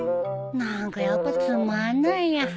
なんかやっぱつまんないや。